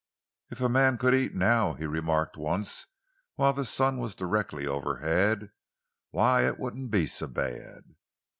"If a man could eat now," he remarked once, while the sun was directly overhead, "why, it wouldn't be so bad!"